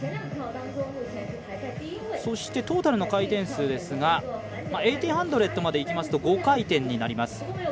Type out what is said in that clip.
そして、トータルの回転数ですが１８００までいきますと５回転になります。